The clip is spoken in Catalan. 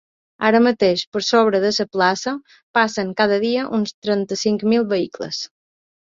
Ara mateix, per sobre de la plaça, passen cada dia uns trenta-cinc mil vehicles.